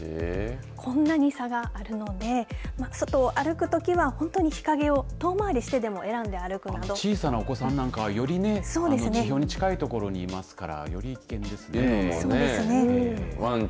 こんなに差があるので外を歩くときは本当に小さなお子さんなんかはよりね地表に近いところにいますからそうですね。